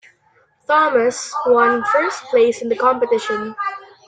Thomas one first place in the competition.